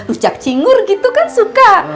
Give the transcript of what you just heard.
ucak cinggur gitu kan suka